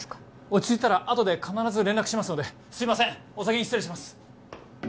落ち着いたらあとで必ず連絡しますのですいませんお先に失礼します